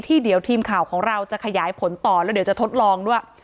เดี๋ยวทีมข่าวของเราจะขยายผลต่อแล้วเดี๋ยวจะทดลองด้วย